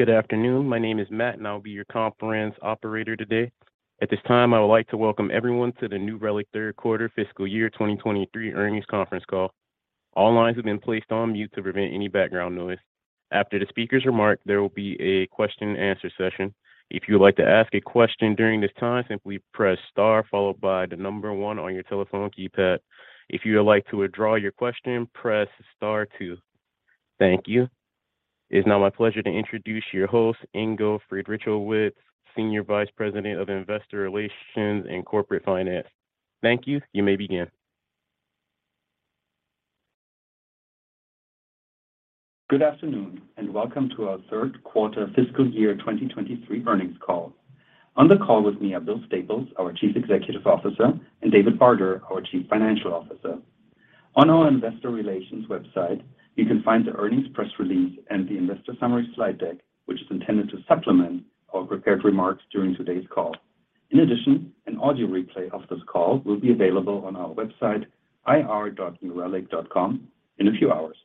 Good afternoon. My name is Matt, and I will be your conference operator today. At this time, I would like to welcome everyone to the New Relic Third Quarter Fiscal Year 2023 Earnings Conference Call. All lines have been placed on mute to prevent any background noise. After the speaker's remark, there will be a question and answer session. If you would like to ask a question during this time, simply press star followed by the number one on your telephone keypad. If you would like to withdraw your question, press star two. Thank you. It's now my pleasure to introduce your host, Ingo Friedrichowitz, Senior Vice President of Investor Relations and Corporate Finance. Thank you. You may begin. Good afternoon, and welcome to our Third Quarter Fiscal Year 2023 Earnings Call. On the call with me are Bill Staples, our Chief Executive Officer, and David Barter, our Chief Financial Officer. On our investor relations website, you can find the earnings press release and the investor summary slide deck, which is intended to supplement our prepared remarks during today's call. In addition, an audio replay of this call will be available on our website, ir.newrelic.com, in a few hours.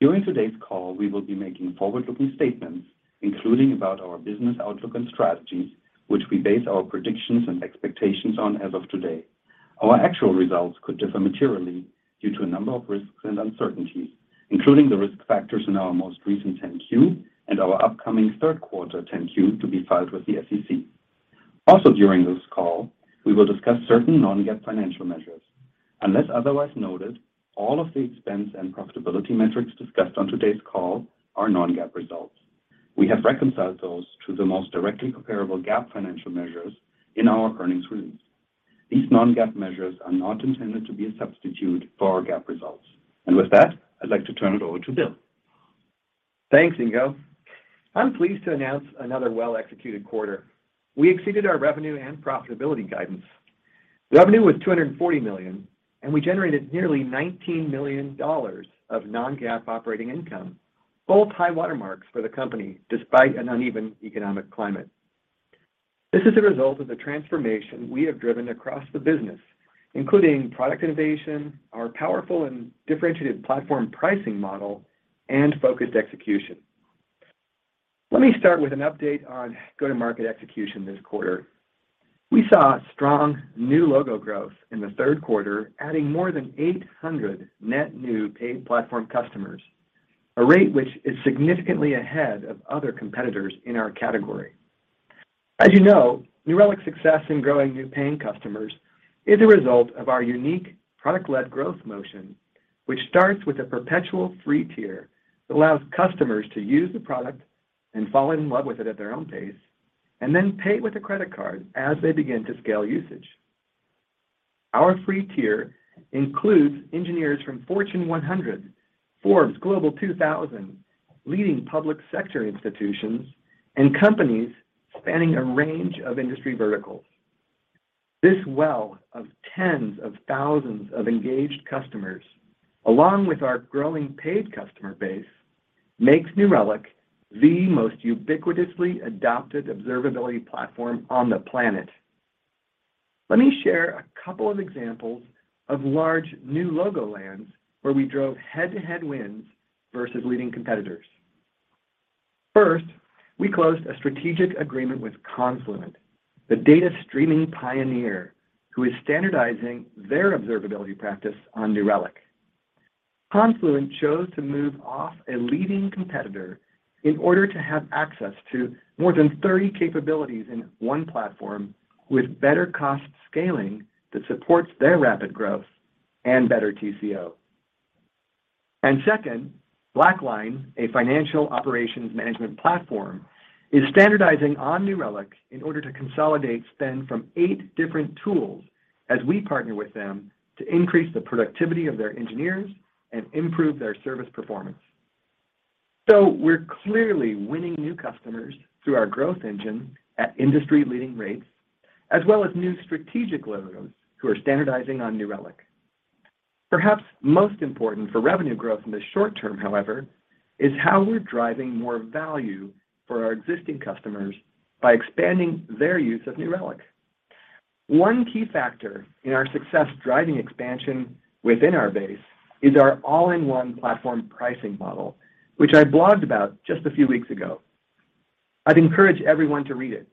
During today's call, we will be making forward-looking statements, including about our business outlook and strategies, which we base our predictions and expectations on as of today. Our actual results could differ materially due to a number of risks and uncertainties, including the risk factors in our most recent 10-Q and our upcoming third quarter 10-Q to be filed with the SEC. Also during this call, we will discuss certain non-GAAP financial measures. Unless otherwise noted, all of the expense and profitability metrics discussed on today's call are non-GAAP results. We have reconciled those to the most directly comparable GAAP financial measures in our earnings release. These non-GAAP measures are not intended to be a substitute for our GAAP results. With that, I'd like to turn it over to Bill. Thanks, Ingo. I'm pleased to announce another well-executed quarter. We exceeded our revenue and profitability guidance. Revenue was $240 million, and we generated nearly $19 million of non-GAAP operating income, both high water marks for the company despite an uneven economic climate. This is a result of the transformation we have driven across the business, including product innovation, our powerful and differentiated platform pricing model, and focused execution. Let me start with an update on go-to-market execution this quarter. We saw strong new logo growth in the third quarter, adding more than 800 net new paid platform customers, a rate which is significantly ahead of other competitors in our category. As you know, New Relic's success in growing new paying customers is a result of our unique product-led growth motion, which starts with a perpetual free tier that allows customers to use the product and fall in love with it at their own pace, and then pay with a credit card as they begin to scale usage. Our free tier includes engineers from Fortune 100, Forbes Global 2000, leading public sector institutions and companies spanning a range of industry verticals. This well of tens of thousands of engaged customers, along with our growing paid customer base, makes New Relic the most ubiquitously adopted observability platform on the planet. Let me share a couple of examples of large new logo lands where we drove head-to-head wins versus leading competitors. First, we closed a strategic agreement with Confluent, the data streaming pioneer who is standardizing their observability practice on New Relic. Confluent chose to move off a leading competitor in order to have access to more than 30 capabilities in one platform with better cost scaling that supports their rapid growth and better TCO. Second, BlackLine, a financial operations management platform, is standardizing on New Relic in order to consolidate spend from 8 different tools as we partner with them to increase the productivity of their engineers and improve their service performance. We're clearly winning new customers through our growth engine at industry-leading rates as well as new strategic logos who are standardizing on New Relic. Perhaps most important for revenue growth in the short term, however, is how we're driving more value for our existing customers by expanding their use of New Relic. One key factor in our success driving expansion within our base is our all-in-one platform pricing model, which I blogged about just a few weeks ago. I'd encourage everyone to read it.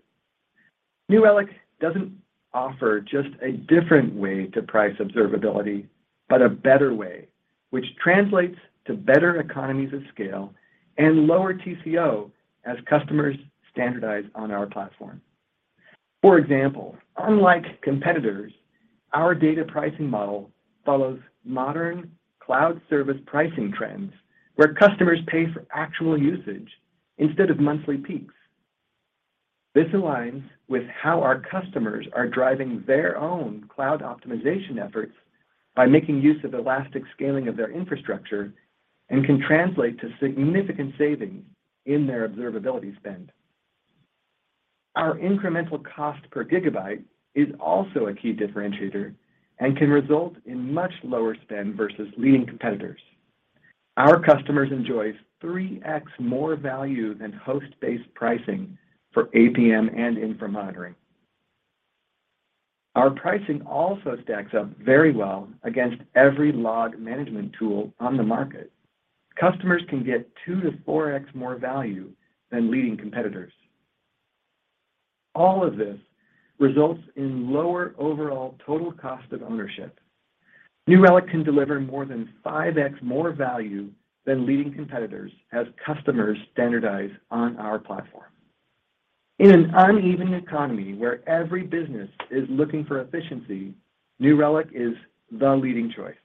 New Relic doesn't offer just a different way to price observability, but a better way, which translates to better economies of scale and lower TCO as customers standardize on our platform. For example, unlike competitors, our data pricing model follows modern cloud service pricing trends where customers pay for actual usage instead of monthly peaks. This aligns with how our customers are driving their own cloud optimization efforts by making use of elastic scaling of their infrastructure and can translate to significant savings in their observability spend. Our incremental cost per gigabyte is also a key differentiator and can result in much lower spend versus leading competitors. Our customers enjoy 3x more value than host-based pricing for APM and infra monitoring. Our pricing also stacks up very well against every log management tool on the market. Customers can get 2x-4x more value than leading competitors. All of this results in lower overall total cost of ownership. New Relic can deliver more than 5x more value than leading competitors as customers standardize on our platform. In an uneven economy where every business is looking for efficiency, New Relic is the leading choice.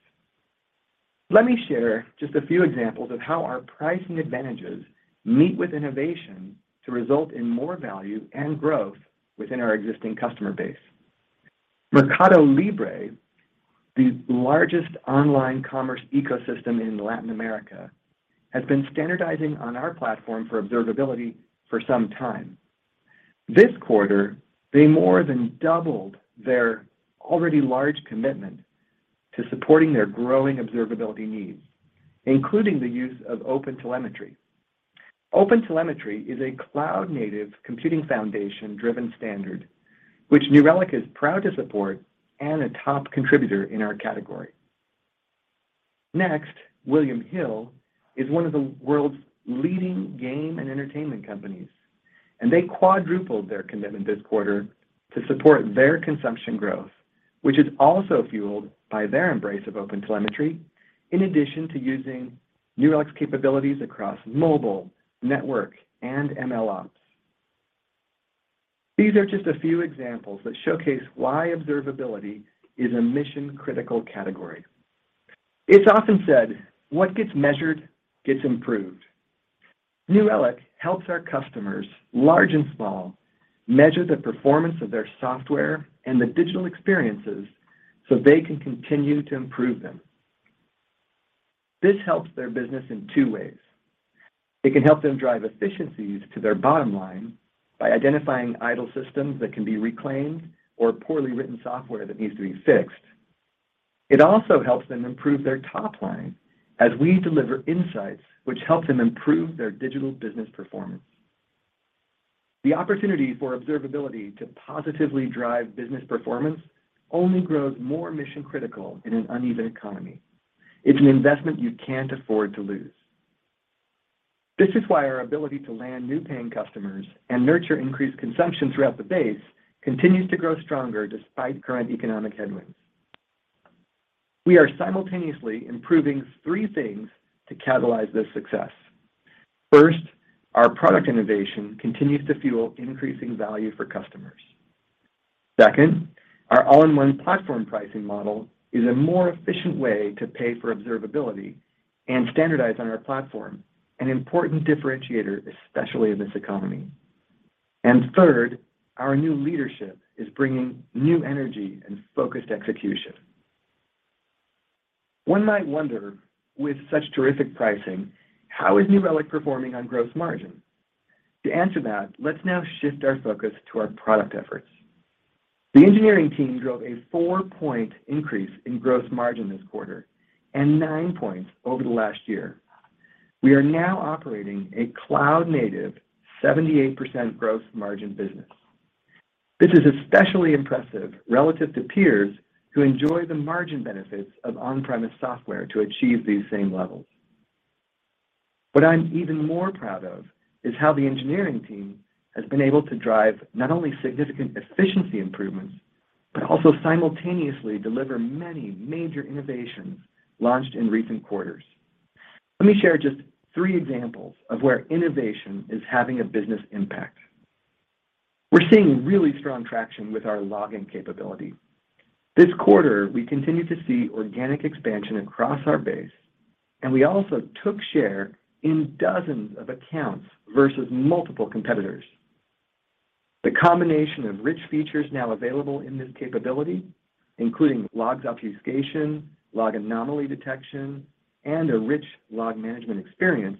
Let me share just a few examples of how our pricing advantages meet with innovation to result in more value and growth within our existing customer base. Mercado Libre, the largest online commerce ecosystem in Latin America, has been standardizing on our platform for observability for some time. This quarter, they more than doubled their already large commitment to supporting their growing observability needs, including the use of OpenTelemetry. OpenTelemetry is a Cloud Native Computing Foundation-driven standard, which New Relic is proud to support and a top contributor in our category. Next, William Hill is one of the world's leading game and entertainment companies, and they quadrupled their commitment this quarter to support their consumption growth, which is also fueled by their embrace of OpenTelemetry in addition to using New Relic's capabilities across mobile, network, and MLOps. These are just a few examples that showcase why observability is a mission-critical category. It's often said, what gets measured gets improved. New Relic helps our customers, large and small, measure the performance of their software and the digital experiences so they can continue to improve them. This helps their business in two ways. It can help them drive efficiencies to their bottom line by identifying idle systems that can be reclaimed or poorly written software that needs to be fixed. It also helps them improve their top line as we deliver insights which help them improve their digital business performance. The opportunity for observability to positively drive business performance only grows more mission-critical in an uneven economy. It's an investment you can't afford to lose. This is why our ability to land new paying customers and nurture increased consumption throughout the base continues to grow stronger despite current economic headwinds. We are simultaneously improving three things to catalyze this success. First, our product innovation continues to fuel increasing value for customers. Second, our all-in-one platform pricing model is a more efficient way to pay for observability and standardize on our platform, an important differentiator, especially in this economy. Third, our new leadership is bringing new energy and focused execution. One might wonder, with such terrific pricing, how is New Relic performing on gross margin? To answer that, let's now shift our focus to our product efforts. The engineering team drove a four-point increase in gross margin this quarter and nine points over the last year. We are now operating a cloud-native 78% gross margin business. This is especially impressive relative to peers who enjoy the margin benefits of on-premise software to achieve these same levels. What I'm even more proud of is how the engineering team has been able to drive not only significant efficiency improvements, but also simultaneously deliver many major innovations launched in recent quarters. Let me share just three examples of where innovation is having a business impact. We're seeing really strong traction with our logging capability. This quarter, we continued to see organic expansion across our base, and we also took share in dozens of accounts versus multiple competitors. The combination of rich features now available in this capability, including logs obfuscation, log anomaly detection, and a rich log management experience,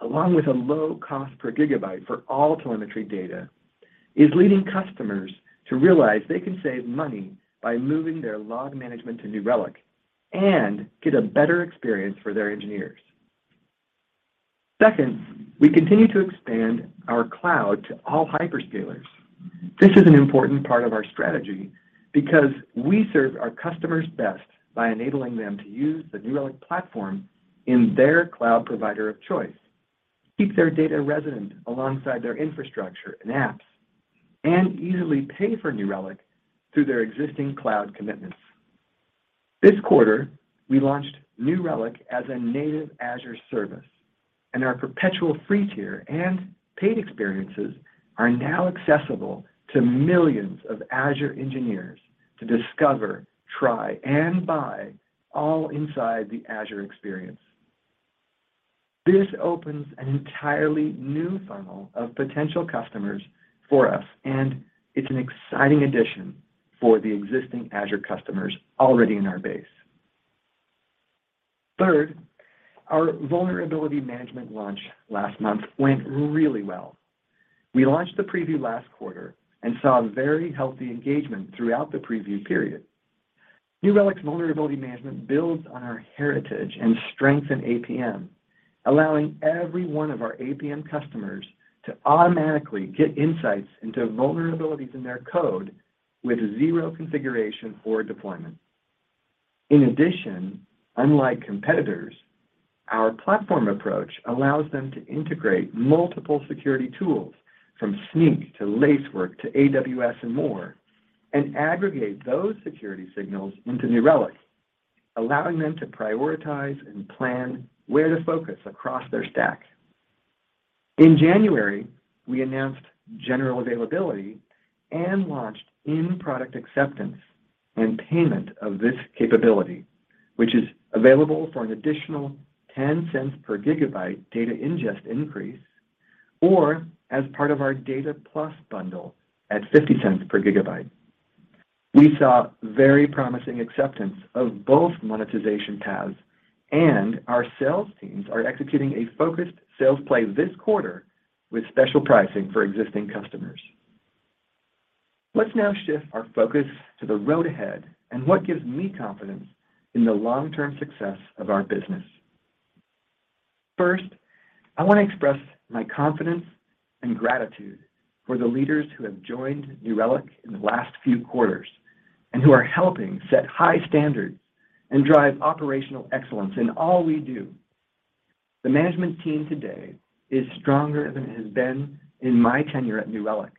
along with a low cost per gigabyte for all telemetry data, is leading customers to realize they can save money by moving their log management to New Relic and get a better experience for their engineers. Second, we continue to expand our cloud to all hyperscalers. This is an important part of our strategy because we serve our customers best by enabling them to use the New Relic platform in their cloud provider of choice, keep their data resident alongside their infrastructure and apps, and easily pay for New Relic through their existing cloud commitments. This quarter, we launched New Relic as a native Azure service. Our perpetual free tier and paid experiences are now accessible to millions of Azure engineers to discover, try, and buy all inside the Azure experience. This opens an entirely new funnel of potential customers for us, and it's an exciting addition for the existing Azure customers already in our base. Third, our vulnerability management launch last month went really well. We launched the preview last quarter and saw very healthy engagement throughout the preview period. New Relic Vulnerability Management builds on our heritage and strength in APM, allowing every one of our APM customers to automatically get insights into vulnerabilities in their code with zero configuration or deployment. In addition, unlike competitors, our platform approach allows them to integrate multiple security tools from Snyk to Lacework to AWS and more, and aggregate those security signals into New Relic, allowing them to prioritize and plan where to focus across their stack. In January, we announced general availability and launched in-product acceptance and payment of this capability, which is available for an additional $0.10 per gigabyte data ingest increase or as part of our Data Plus bundle at $0.50 per gigabyte. We saw very promising acceptance of both monetization paths, and our sales teams are executing a focused sales play this quarter with special pricing for existing customers. Let's now shift our focus to the road ahead and what gives me confidence in the long-term success of our business. First, I want to express my confidence and gratitude for the leaders who have joined New Relic in the last few quarters and who are helping set high standards and drive operational excellence in all we do. The management team today is stronger than it has been in my tenure at New Relic,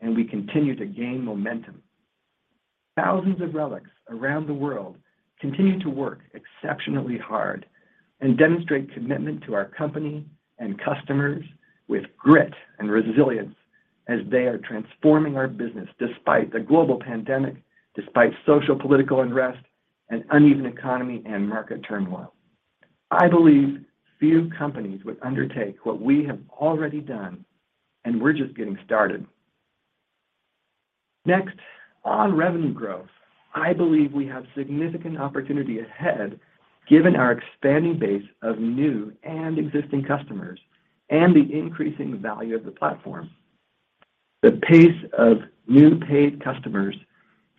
and we continue to gain momentum. Thousands of Relics around the world continue to work exceptionally hard and demonstrate commitment to our company and customers with grit and resilience as they are transforming our business despite the global pandemic, despite social political unrest, an uneven economy, and market turmoil. I believe few companies would undertake what we have already done, and we're just getting started. Next, on revenue growth, I believe we have significant opportunity ahead given our expanding base of new and existing customers and the increasing value of the platform. The pace of new paid customers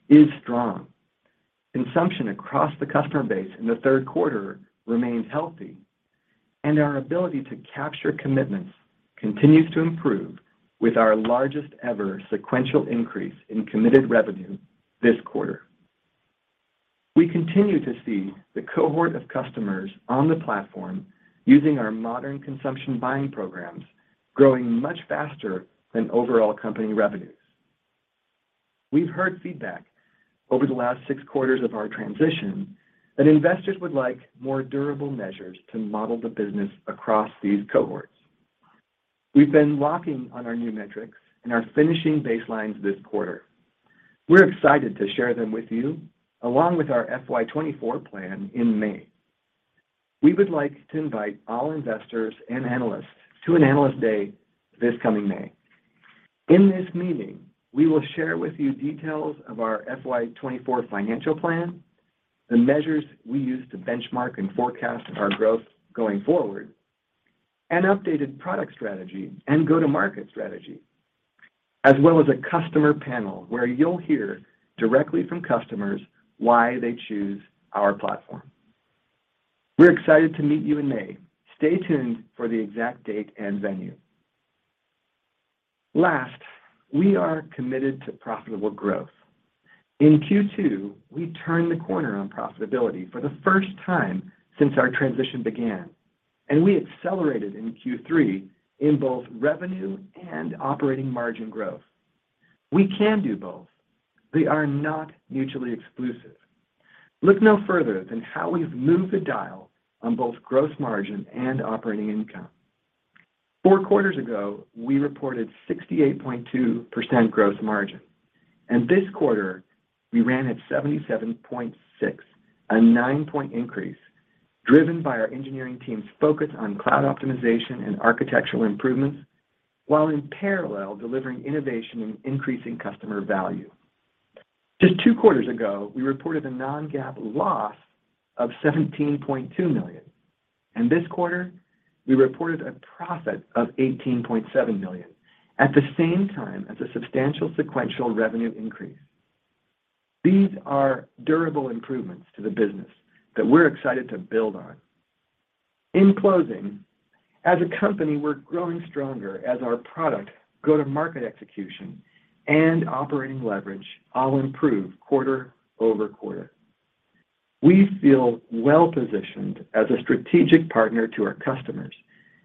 is strong. Consumption across the customer base in the third quarter remains healthy. Our ability to capture commitments continues to improve with our largest ever sequential increase in committed revenue this quarter. We continue to see the cohort of customers on the platform using our modern consumption buying programs growing much faster than overall company revenues. We've heard feedback over the last 6 quarters of our transition that investors would like more durable measures to model the business across these cohorts. We've been locking on our new metrics and are finishing baselines this quarter. We're excited to share them with you along with our FY 2024 plan in May. We would like to invite all investors and analysts to an Analyst Day this coming May. In this meeting, we will share with you details of our FY 2024 financial plan, the measures we use to benchmark and forecast our growth going forward, an updated product strategy and go-to-market strategy, as well as a customer panel where you'll hear directly from customers why they choose our platform. We're excited to meet you in May. Stay tuned for the exact date and venue. Last, we are committed to profitable growth. In Q2, we turned the corner on profitability for the first time since our transition began, and we accelerated in Q3 in both revenue and operating margin growth. We can do both. They are not mutually exclusive. Look no further than how we've moved the dial on both gross margin and operating income. Four quarters ago, we reported 68.2% gross margin, this quarter we ran at 77.6%, a 9-point increase driven by our engineering team's focus on cloud optimization and architectural improvements while in parallel delivering innovation and increasing customer value. Just two quarters ago, we reported a non-GAAP loss of $17.2 million, this quarter we reported a profit of $18.7 million at the same time as a substantial sequential revenue increase. These are durable improvements to the business that we're excited to build on. In closing, as a company, we're growing stronger as our product, go-to-market execution, and operating leverage all improve quarter-over-quarter. We feel well-positioned as a strategic partner to our customers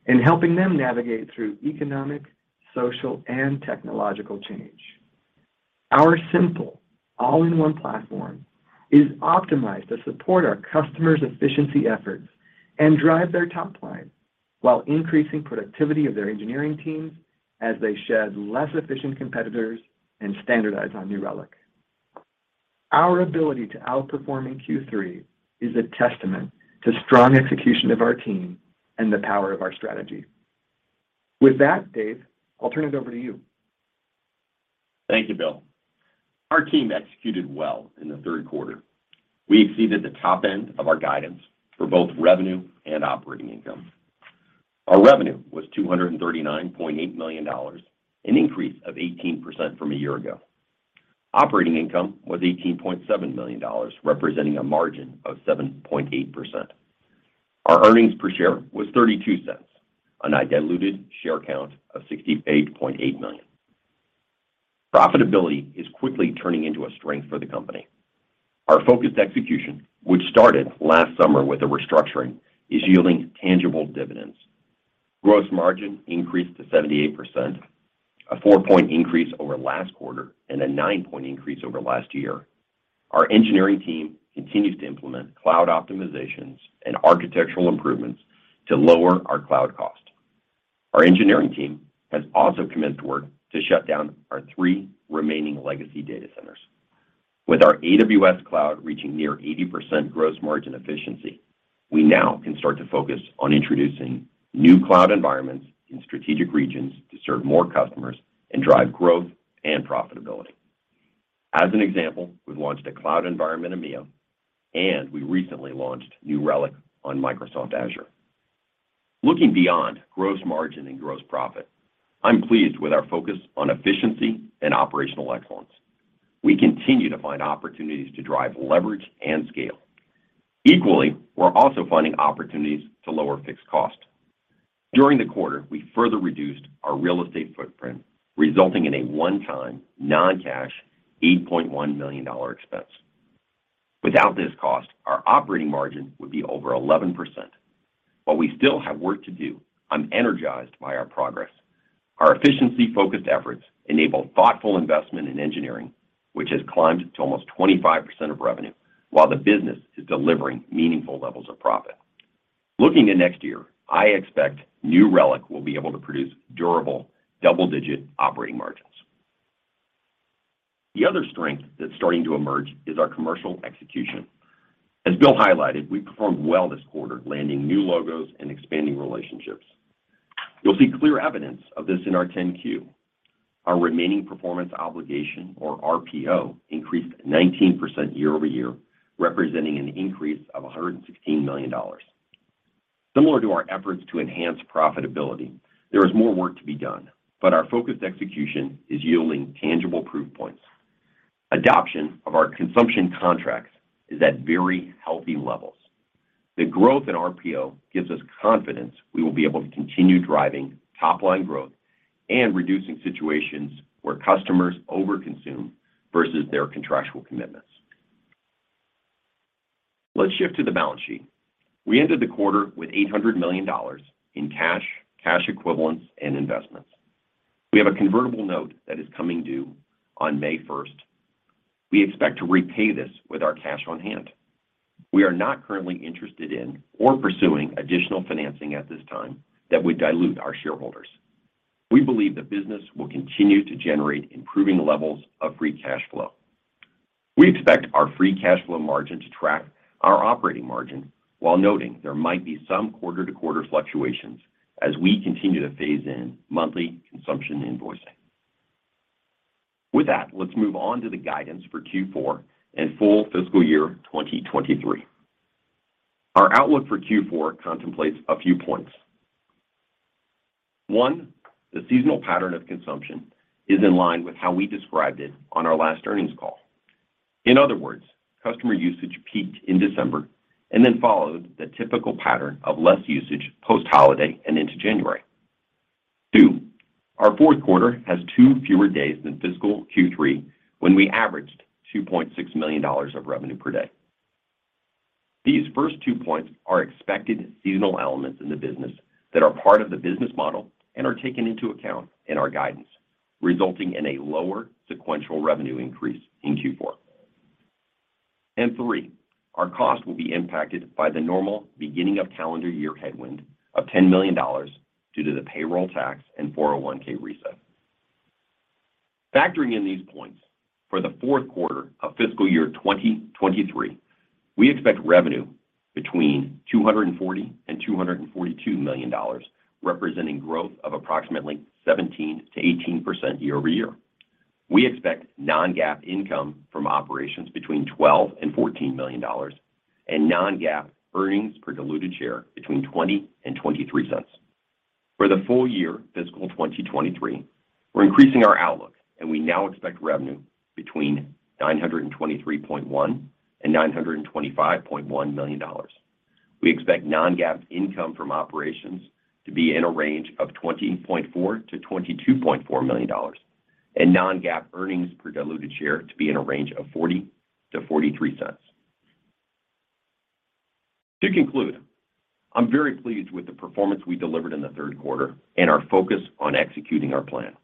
in helping them navigate through economic, social, and technological change. Our simple all-in-one platform is optimized to support our customers' efficiency efforts and drive their top line while increasing productivity of their engineering teams as they shed less efficient competitors and standardize on New Relic. Our ability to outperform in Q3 is a testament to strong execution of our team and the power of our strategy. With that, Dave, I'll turn it over to you. Thank you, Bill. Our team executed well in the third quarter. We exceeded the top end of our guidance for both revenue and operating income. Our revenue was $239.8 million, an increase of 18% from a year ago. Operating income was $18.7 million, representing a margin of 7.8%. Our earnings per share was $0.32 on a diluted share count of 68.8 million. Profitability is quickly turning into a strength for the company. Our focused execution, which started last summer with a restructuring, is yielding tangible dividends. Gross margin increased to 78%, a 4-point increase over last quarter and a 9-point increase over last year. Our engineering team continues to implement cloud optimizations and architectural improvements to lower our cloud cost. Our engineering team has also commenced work to shut down our three remaining legacy data centers. With our AWS cloud reaching near 80% gross margin efficiency, we now can start to focus on introducing new cloud environments in strategic regions to serve more customers and drive growth and profitability. As an example, we've launched a cloud environment in EMEA, and we recently launched New Relic on Microsoft Azure. Looking beyond gross margin and gross profit, I'm pleased with our focus on efficiency and operational excellence. We continue to find opportunities to drive leverage and scale. Equally, we're also finding opportunities to lower fixed cost. During the quarter, we further reduced our real estate footprint, resulting in a one-time non-cash $8.1 million expense. Without this cost, our operating margin would be over 11%. While we still have work to do, I'm energized by our progress. Our efficiency-focused efforts enable thoughtful investment in engineering, which has climbed to almost 25% of revenue while the business is delivering meaningful levels of profit. Looking to next year, I expect New Relic will be able to produce durable double-digit operating margins. The other strength that's starting to emerge is our commercial execution. As Bill highlighted, we performed well this quarter, landing new logos and expanding relationships. You'll see clear evidence of this in our 10-Q. Our remaining performance obligation, or RPO, increased 19% year-over-year, representing an increase of $116 million. Similar to our efforts to enhance profitability, there is more work to be done, but our focused execution is yielding tangible proof points. Adoption of our consumption contracts is at very healthy levels. The growth in RPO gives us confidence we will be able to continue driving top-line growth and reducing situations where customers overconsume versus their contractual commitments. Let's shift to the balance sheet. We ended the quarter with $800 million in cash equivalents, and investments. We have a convertible note that is coming due on May 1st. We expect to repay this with our cash on hand. We are not currently interested in or pursuing additional financing at this time that would dilute our shareholders. We believe the business will continue to generate improving levels of free cash flow. We expect our free cash flow margin to track our operating margin while noting there might be some quarter-to-quarter fluctuations as we continue to phase in monthly consumption invoicing. Let's move on to the guidance for Q4 and full fiscal year 2023. Our outlook for Q4 contemplates a few points. One, the seasonal pattern of consumption is in line with how we described it on our last earnings call. In other words, customer usage peaked in December and then followed the typical pattern of less usage post-holiday and into January. Two, our fourth quarter has two fewer days than fiscal Q3 when we averaged $2.6 million of revenue per day. These first two points are expected seasonal elements in the business that are part of the business model and are taken into account in our guidance, resulting in a lower sequential revenue increase in Q4. Three, our cost will be impacted by the normal beginning of calendar year headwind of $10 million due to the payroll tax and 401(k) reset. Factoring in these points, for the fourth quarter of fiscal year 2023, we expect revenue between $240 million and $242 million, representing growth of approximately 17%-18% year-over-year. We expect non-GAAP income from operations between $12 million and $14 million and non-GAAP earnings per diluted share between $0.20 and $0.23. For the full year fiscal 2023, we're increasing our outlook. We now expect revenue between $923.1 million and $925.1 million. We expect non-GAAP income from operations to be in a range of $20.4 million to $22.4 million and non-GAAP earnings per diluted share to be in a range of $0.40-$0.43. To conclude, I'm very pleased with the performance we delivered in the third quarter and our focus on executing our plan.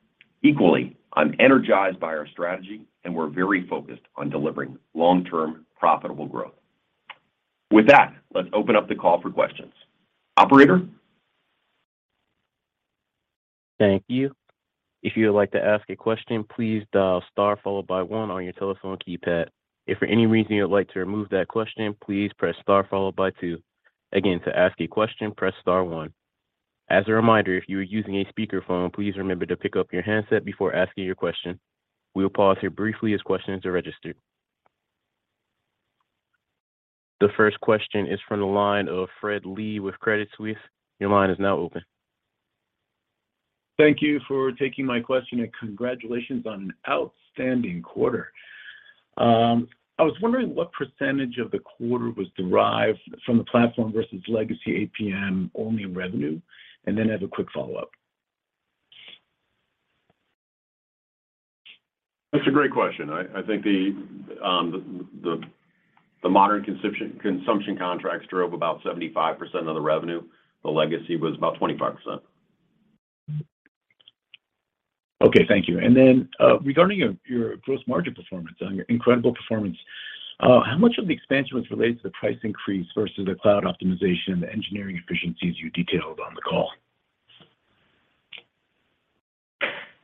Equally, I'm energized by our strategy and we're very focused on delivering long-term profitable growth. With that, let's open up the call for questions. Operator? Thank you. If you would like to ask a question, please dial star followed by one on your telephone keypad. If for any reason you would like to remove that question, please press star followed by two. Again, to ask a question, press star one. As a reminder, if you are using a speakerphone, please remember to pick up your handset before asking your question. We will pause here briefly as questions are registered. The first question is from the line of Fred Lee with Credit Suisse. Your line is now open. Thank you for taking my question, and congratulations on an outstanding quarter. I was wondering what % of the quarter was derived from the platform versus legacy APM only revenue? Then I have a quick follow-up. That's a great question. I think the modern consumption contracts drove about 75% of the revenue. The legacy was about 25%. Okay. Thank you. Regarding your gross margin performance, on your incredible performance, how much of the expansion was related to the price increase versus the cloud optimization, the engineering efficiencies you detailed on the call?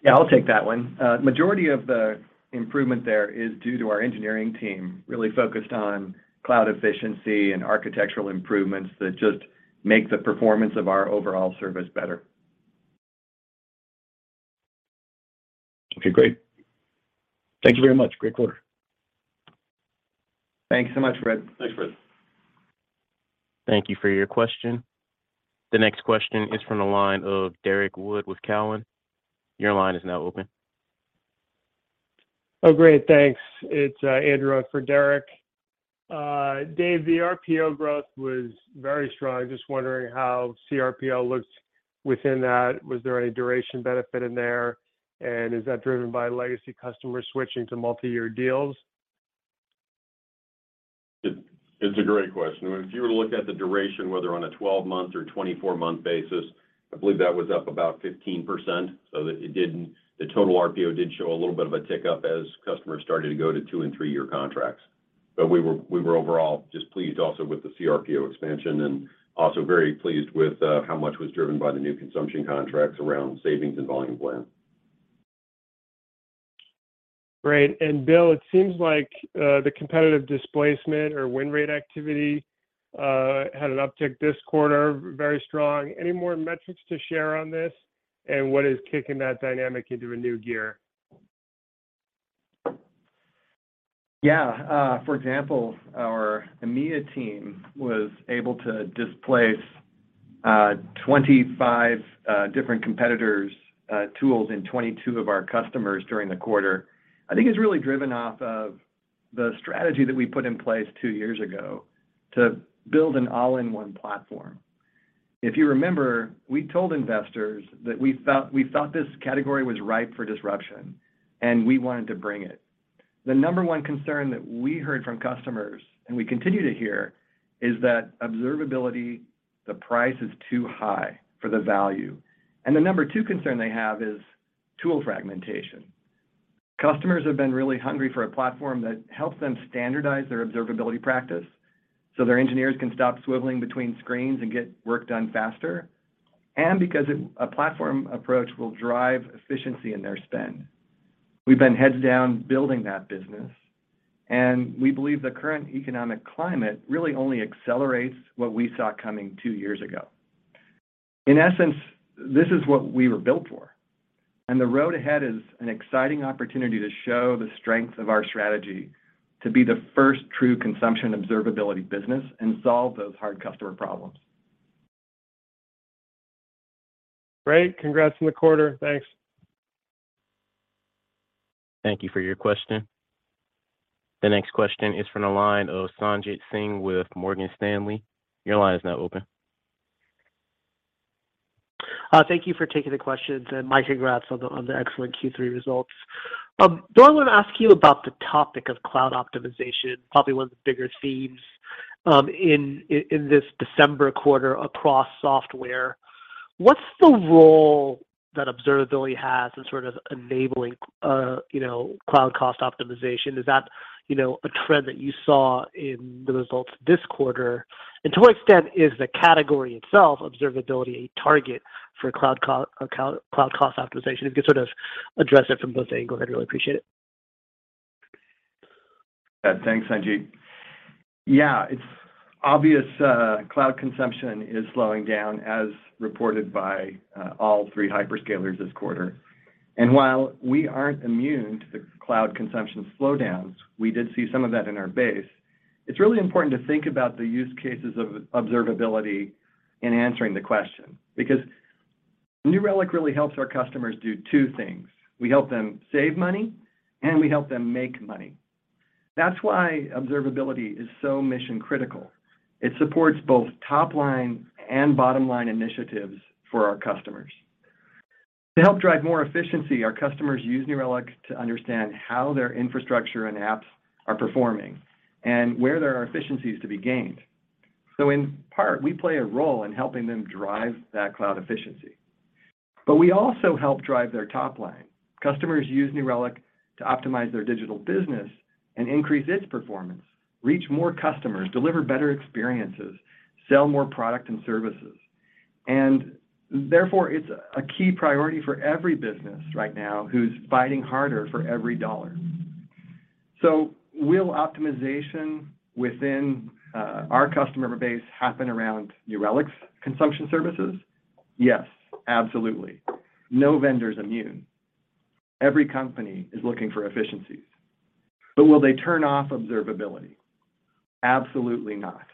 I'll take that one. Majority of the improvement there is due to our engineering team, really focused on cloud efficiency and architectural improvements that just make the performance of our overall service better. Okay. Great. Thank you very much. Great quarter. Thanks so much, Fred. Thanks, Fred. Thank you for your question. The next question is from the line of Derrick Wood with Cowen. Your line is now open. Oh, great. Thanks. It's Andrew for Derrick. Dave, the RPO growth was very strong. Just wondering how cRPO looks within that. Was there any duration benefit in there? Is that driven by legacy customers switching to multi-year deals? It's a great question. If you were to look at the duration, whether on a 12-month or 24-month basis, I believe that was up about 15%, so that the total RPO did show a little bit of a tick up as customers started to go to two and three-year contracts. We were overall just pleased also with the cRPO expansion and also very pleased with how much was driven by the new consumption contracts around savings and volume plan. Great. Bill, it seems like the competitive displacement or win rate activity had an uptick this quarter, very strong. Any more metrics to share on this? What is kicking that dynamic into a new gear? For example, our EMEA team was able to displace 25 different competitors' tools in 22 of our customers during the quarter. I think it's really driven off of the strategy that we put in place 2 years ago to build an all-in-one platform. If you remember, we told investors that we felt this category was ripe for disruption, and we wanted to bring it. The number one concern that we heard from customers, and we continue to hear, is that observability, the price is too high for the value. The number two concern they have is tool fragmentation. Customers have been really hungry for a platform that helps them standardize their observability practice, so their engineers can stop swiveling between screens and get work done faster, and because a platform approach will drive efficiency in their spend. We've been heads down building that business, and we believe the current economic climate really only accelerates what we saw coming two years ago. In essence, this is what we were built for, and the road ahead is an exciting opportunity to show the strength of our strategy to be the first true consumption observability business and solve those hard customer problems. Great. Congrats on the quarter. Thanks. Thank you for your question. The next question is from the line of Sanjit Singh with Morgan Stanley. Your line is now open. Thank you for taking the questions, and Mike, congrats on the excellent Q3 results. Bill, I wanna ask you about the topic of cloud optimization, probably one of the bigger themes in this December quarter across software. What's the role that observability has in sort of enabling, you know, cloud cost optimization? Is that, you know, a trend that you saw in the results this quarter? To what extent is the category itself, observability, a target for cloud cost optimization? If you could sort of address it from both angles, I'd really appreciate it. Yeah. Thanks, Sanjit. Yeah. It's obvious cloud consumption is slowing down as reported by all three hyperscalers this quarter. While we aren't immune to the cloud consumption slowdowns, we did see some of that in our base, it's really important to think about the use cases of observability in answering the question because New Relic really helps our customers do two things. We help them save money, and we help them make money. That's why observability is so mission-critical. It supports both top-line and bottom-line initiatives for our customers. To help drive more efficiency, our customers use New Relic to understand how their infrastructure and apps are performing and where there are efficiencies to be gained. In part, we play a role in helping them drive that cloud efficiency. We also help drive their top line. Customers use New Relic to optimize their digital business and increase its performance, reach more customers, deliver better experiences, sell more product and services, and therefore it's a key priority for every business right now who's fighting harder for every dollar. Will optimization within our customer base happen around New Relic's consumption services? Yes, absolutely. No vendor's immune. Every company is looking for efficiencies, but will they turn off observability? Absolutely not.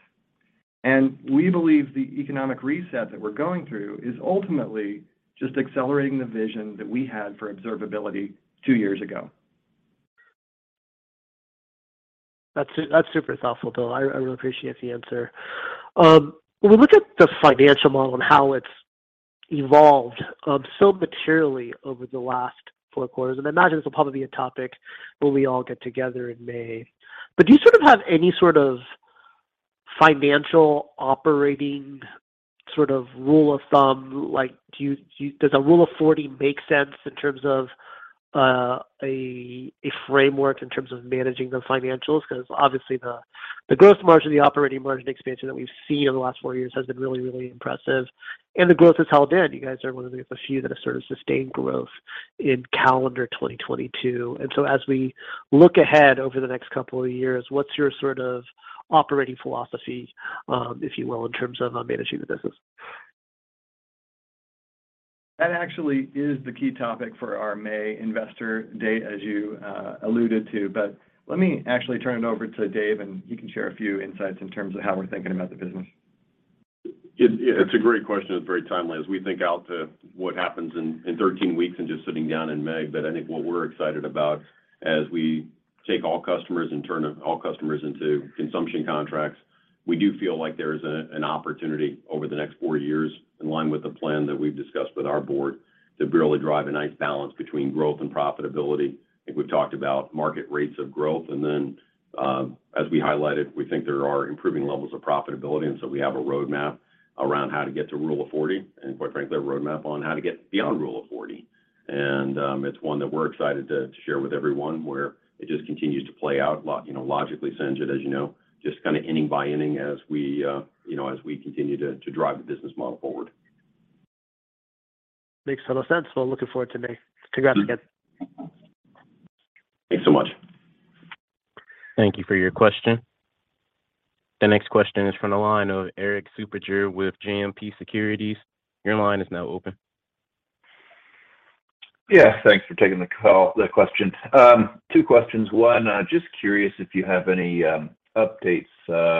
We believe the economic reset that we're going through is ultimately just accelerating the vision that we had for observability two years ago. That's super thoughtful, Bill. I really appreciate the answer. When we look at the financial model and how it's evolved, so materially over the last four quarters, and I imagine this will probably be a topic when we all get together in May. Do you sort of have any sort of financial operating sort of rule of thumb? Like, do you, Does a Rule of 40 make sense in terms of a framework in terms of managing the financials? Obviously the gross margin, the operating margin expansion that we've seen over the last four years has been really, really impressive, and the growth has held in. You guys are one of the few that have sort of sustained growth in calendar 2022. As we look ahead over the next couple of years, what's your sort of operating philosophy, if you will, in terms of, managing the business? That actually is the key topic for our May investor date, as you alluded to. Let me actually turn it over to Dave, and he can share a few insights in terms of how we're thinking about the business. It's a great question. It's very timely as we think out to what happens in 13 weeks and just sitting down in May. I think what we're excited about as we take all customers and turn all customers into consumption contracts, we do feel like there is an opportunity over the next four years in line with the plan that we've discussed with our board to really drive a nice balance between growth and profitability. I think we've talked about market rates of growth and then, as we highlighted, we think there are improving levels of profitability, and so we have a roadmap around how to get to Rule of 40 and quite frankly, a roadmap on how to get beyond Rule of 40. It's one that we're excited to share with everyone where it just continues to play out you know, logically, Sanjit, as you know, just kinda inning by inning as we, you know, as we continue to drive the business model forward. Makes total sense. Well, looking forward to May. Stick around, guys. Thanks so much. Thank you for your question. The next question is from the line of Erik Suppiger with JMP Securities. Your line is now open. Yeah, thanks for taking the call, the question. Two questions. One, just curious if you have any updates,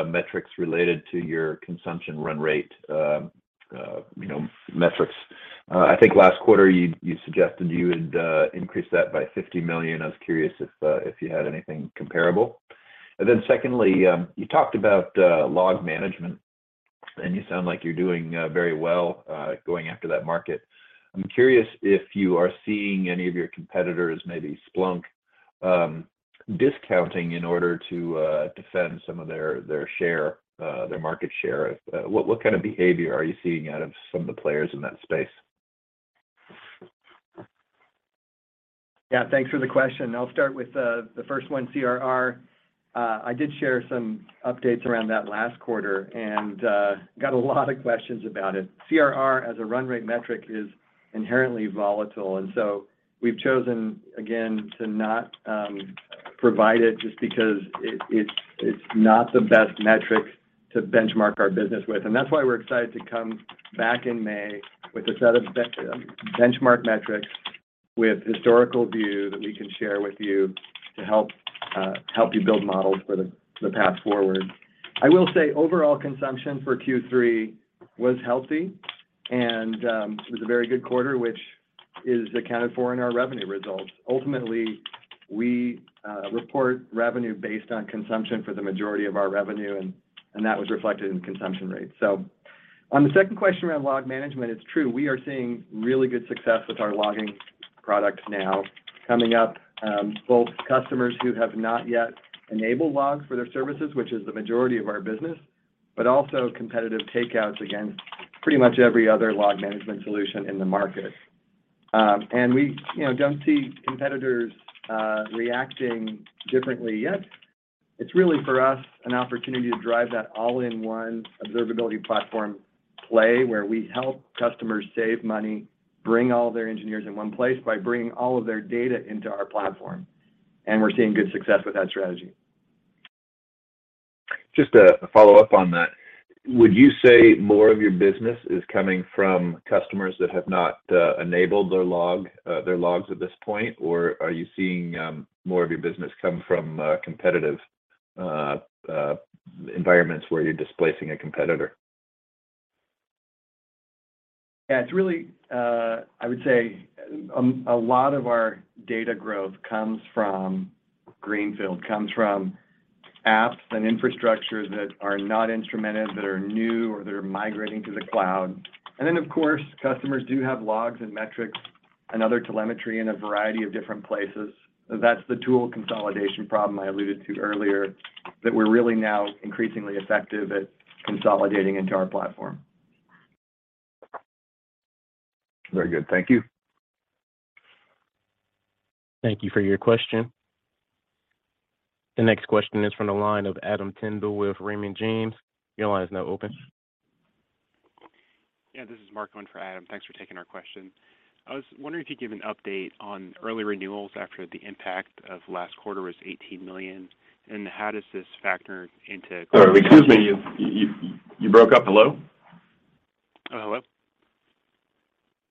metrics related to your consumption run rate, you know, metrics. I think last quarter you suggested you would increase that by $50 million. I was curious if you had anything comparable. Secondly, you talked about log management, and you sound like you're doing very well going after that market. I'm curious if you are seeing any of your competitors, maybe Splunk, discounting in order to defend some of their share, their market share. What kind of behavior are you seeing out of some of the players in that space? Yeah, thanks for the question. I'll start with the first one, CRR. I did share some updates around that last quarter, got a lot of questions about it. CRR as a run rate metric is inherently volatile, we've chosen, again, to not provide it just because it's not the best metric to benchmark our business with. That's why we're excited to come back in May with a set of benchmark metrics with historical view that we can share with you to help help you build models for the path forward. I will say overall consumption for Q3 was healthy, it was a very good quarter, which is accounted for in our revenue results. Ultimately, we report revenue based on consumption for the majority of our revenue, and that was reflected in consumption rates. On the second question around log management, it's true, we are seeing really good success with our logging products now coming up, both customers who have not yet enabled logs for their services, which is the majority of our business, but also competitive takeouts against pretty much every other log management solution in the market. We, you know, don't see competitors reacting differently yet. It's really, for us, an opportunity to drive that all-in-one observability platform play where we help customers save money, bring all their engineers in one place by bringing all of their data into our platform, and we're seeing good success with that strategy. Just a follow-up on that. Would you say more of your business is coming from customers that have not enabled their log, their logs at this point? Or are you seeing more of your business come from competitive environments where you're displacing a competitor? Yeah, it's really, I would say, a lot of our data growth comes from greenfield, comes from apps and infrastructures that are not instrumented, that are new, or that are migrating to the cloud. Of course, customers do have logs and metrics and other telemetry in a variety of different places. That's the tool consolidation problem I alluded to earlier that we're really now increasingly effective at consolidating into our platform. Very good. Thank you. Thank you for your question. The next question is from the line of Adam Tindle with Raymond James. Your line is now open. Yeah, this is Mark on for Adam. Thanks for taking our question. I was wondering if you could give an update on early renewals after the impact of last quarter was $18 million. How does this factor into... Sorry, excuse me. You broke up. Hello? Oh, hello?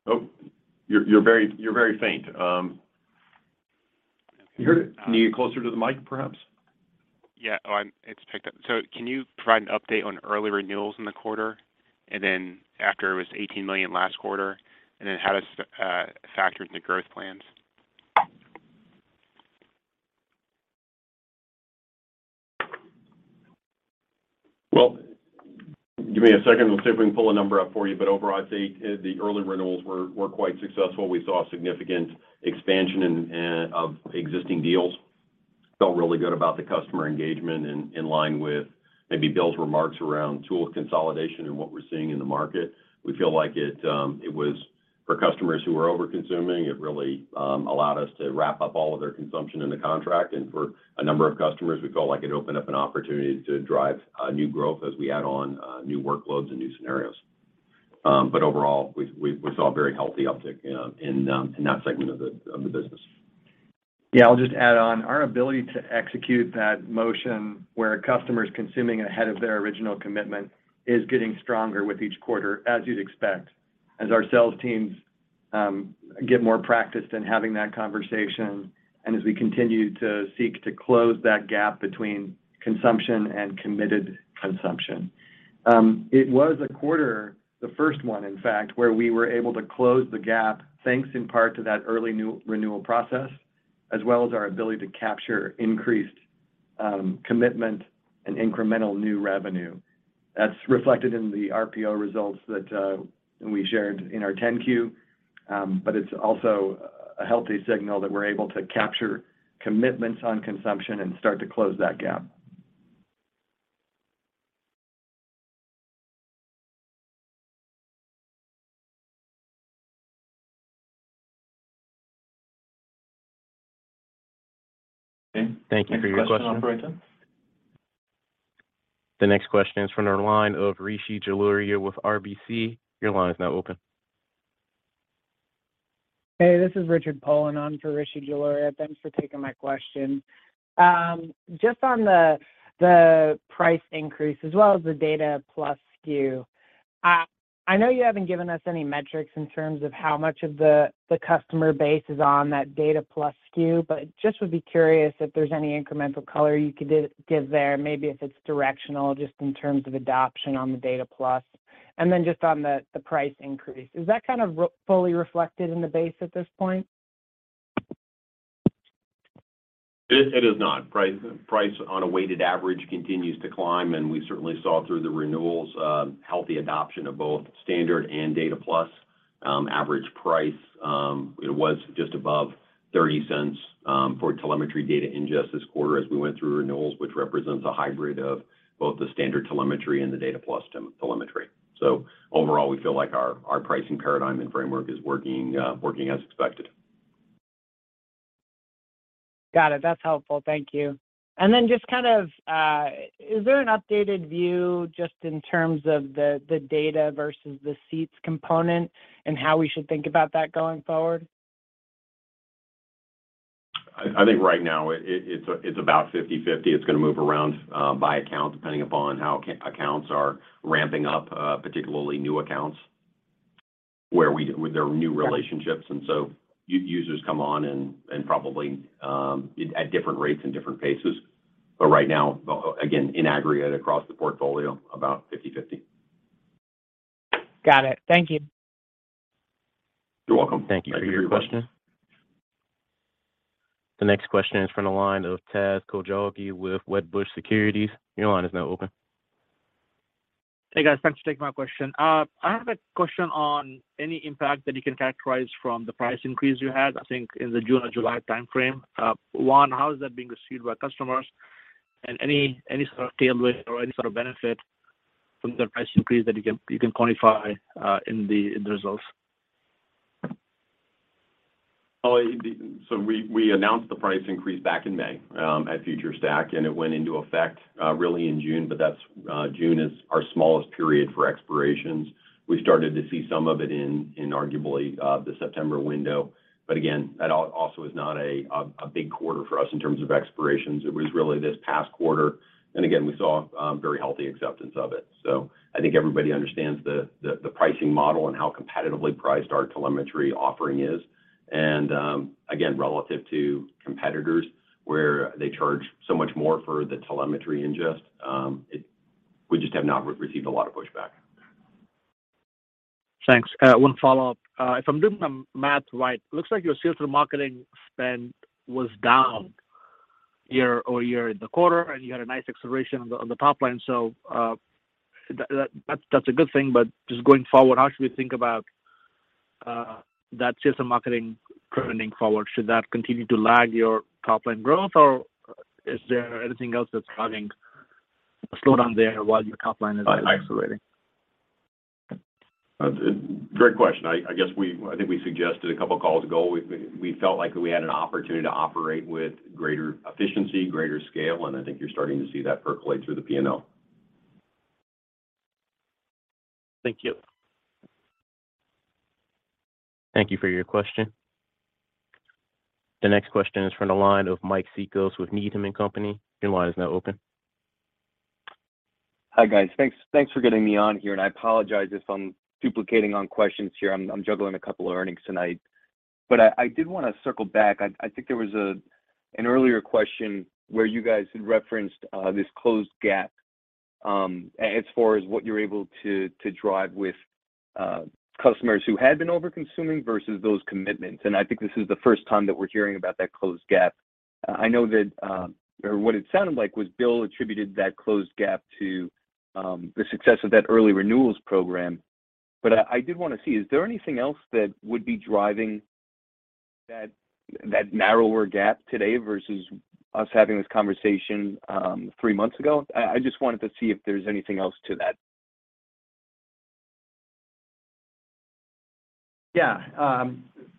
Oh, you're very faint. Can you get closer to the mic, perhaps? Yeah. Oh, it's picked up. Can you provide an update on early renewals in the quarter? After it was $18 million last quarter, how does factor into growth plans? Well, give me a second. Let's see if we can pull a number up for you. Overall, I'd say the early renewals were quite successful. We saw significant expansion and of existing deals. Felt really good about the customer engagement in line with maybe Bill's remarks around tool consolidation and what we're seeing in the market. We feel like it was for customers who were overconsuming, it really allowed us to wrap up all of their consumption in the contract. For a number of customers, we felt like it opened up an opportunity to drive new growth as we add on new workloads and new scenarios. Overall, we saw a very healthy uptick in that segment of the business. Yeah, I'll just add on. Our ability to execute that motion where a customer is consuming ahead of their original commitment is getting stronger with each quarter, as you'd expect, as our sales teams get more practice in having that conversation and as we continue to seek to close that gap between consumption and committed consumption. It was a quarter, the first one, in fact, where we were able to close the gap thanks in part to that early new renewal process, as well as our ability to capture increased commitment and incremental new revenue. That's reflected in the RPO results that we shared in our 10-Q. It's also a healthy signal that we're able to capture commitments on consumption and start to close that gap. Thank you for your question. Next question, operator. The next question is from the line of Rishi Jaluria with RBC. Your line is now open. Hey, this is Richard Poland on for Rishi Jaluria. Thanks for taking my question. Just on the price increase as well as the Data Plus SKU, I know you haven't given us any metrics in terms of how much of the customer base is on that Data Plus SKU, but just would be curious if there's any incremental color you could give there, maybe if it's directional, just in terms of adoption on the Data Plus. Then just on the price increase, is that kind of fully reflected in the base at this point? It is not. Price on a weighted average continues to climb. We certainly saw through the renewals, healthy adoption of both standard and Data Plus, average price. It was just above $0.30 for telemetry data ingest this quarter as we went through renewals, which represents a hybrid of both the standard telemetry and the Data Plus telemetry. Overall, we feel like our pricing paradigm and framework is working as expected. Got it. That's helpful. Thank you. Then just kind of, is there an updated view just in terms of the data versus the seats component and how we should think about that going forward? I think right now it's about 50/50. It's gonna move around by account, depending upon how accounts are ramping up, particularly new accounts where there are new relationships. So users come on and probably at different rates and different paces. Right now, again, in aggregate across the portfolio, about 50/50. Got it. Thank you. You're welcome. Thank you for your question. The next question is from the line of Taz Koujalgi with Wedbush Securities. Your line is now open. Hey, guys. Thanks for taking my question. I have a question on any impact that you can characterize from the price increase you had, I think, in the June or July timeframe. one, how is that being received by customers? Any sort of tailwind or any sort of benefit from the price increase that you can quantify in the results? We announced the price increase back in May at FutureStack, and it went into effect really in June. That's June is our smallest period for expirations. We started to see some of it in arguably the September window. Again, that also is not a big quarter for us in terms of expirations. It was really this past quarter. Again, we saw very healthy acceptance of it. I think everybody understands the pricing model and how competitively priced our telemetry offering is. Again, relative to competitors where they charge so much more for the telemetry ingest, we just have not received a lot of pushback. Thanks. One follow-up. If I'm doing the math right, looks like your sales and marketing spend was down year-over-year in the quarter, and you had a nice acceleration on the top line. That's a good thing. Just going forward, how should we think about that sales and marketing trending forward? Should that continue to lag your top line growth, or is there anything else that's causing a slowdown there while your top line is accelerating? Great question. I think we suggested a couple of calls ago, we felt like we had an opportunity to operate with greater efficiency, greater scale, and I think you're starting to see that percolate through the P&L. Thank you. Thank you for your question. The next question is from the line of Mike Cikos with Needham & Company. Your line is now open. Hi, guys. Thanks for getting me on here. I apologize if I'm duplicating on questions here. I'm juggling a couple of earnings tonight. I did wanna circle back. I think there was an earlier question where you guys had referenced this closed gap as far as what you're able to drive with customers who had been overconsuming versus those commitments. I think this is the first time that we're hearing about that closed gap. I know that or what it sounded like was Bill Staples attributed that closed gap to the success of that early renewals program. I did wanna see, is there anything else that would be driving that narrower gap today versus us having this conversation three months ago? I just wanted to see if there's anything else to that. Yeah.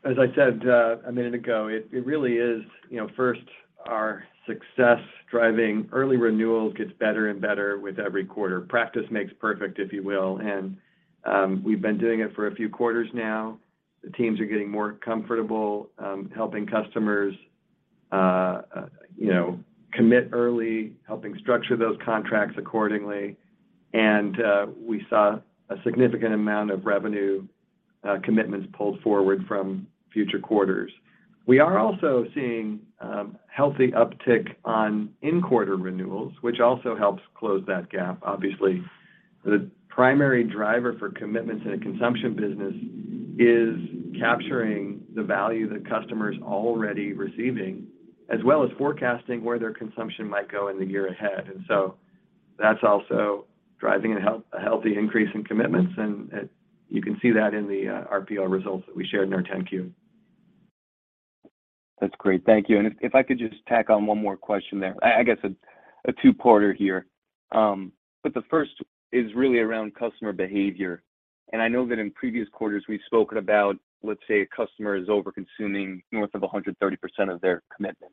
As I said, a minute ago, it really is, you know, first, our success driving early renewals gets better and better with every quarter. Practice makes perfect, if you will, and we've been doing it for a few quarters now. The teams are getting more comfortable, helping customers, you know, commit early, helping structure those contracts accordingly. We saw a significant amount of revenue, commitments pulled forward from future quarters. We are also seeing, healthy uptick on in-quarter renewals, which also helps close that gap, obviously. The primary driver for commitments in a consumption business is capturing the value the customer's already receiving, as well as forecasting where their consumption might go in the year ahead. That's also driving a healthy increase in commitments, and you can see that in the RPO results that we shared in our 10-Q. That's great. Thank you. If I could just tack on one more question there. I guess a two-parter here. The first is really around customer behavior. I know that in previous quarters we've spoken about, let's say, a customer is overconsuming north of 130% of their commitment.